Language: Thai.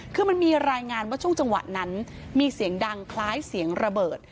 คือมันมีรายงานว่าช่วงจังหวะนั้นมีเสียงดังคล้ายเสียงระเบิด